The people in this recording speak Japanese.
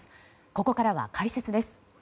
ここからは解説です。